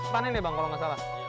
panen ya bang kalau nggak salah